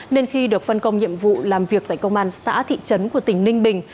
nên khi được phân công nhiệm vụ làm việc tại công an xã thị trấn của tỉnh ninh bình